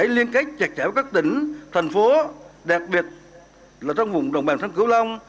liên kết chặt chẽo các tỉnh thành phố đặc biệt là trong vùng đồng bàn thắng cửu long